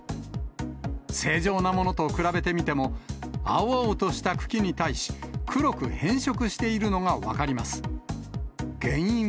正常なものと比べてみても、青々とした茎に対し、黒く変色しているのが分かります。